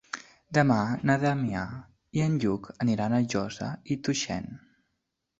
Demà na Damià i en Lluc aniran a Josa i Tuixén.